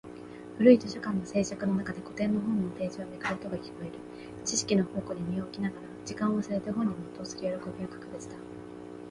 古い図書館の静寂の中で、古典の本のページをめくる音が聞こえる。知識の宝庫に身を置きながら、時間を忘れて本に没頭する喜びは格別だ。